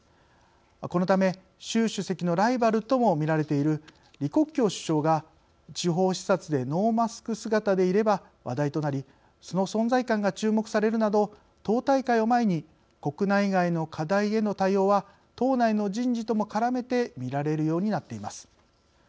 このため、習主席のライバルとも見られている李克強首相が地方視察でノーマスク姿でいれば話題となりその存在感が注目されるなど党大会を前に国内外の課題への対応は党内の人事とも絡めて見られるようになっています。